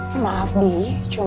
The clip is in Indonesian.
menemukan pemilik sim kartu ini